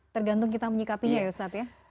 tergantung kita menyikapinya ya ustadz ya